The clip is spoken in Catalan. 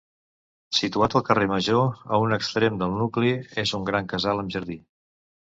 Situat al carrer Major, a un extrem del nucli, és un gran casal amb jardí.